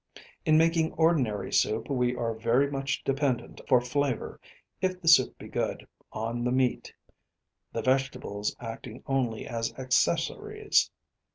In making ordinary soup we are very much dependent for flavour, if the soup be good, on the meat, the vegetables acting only as accessories.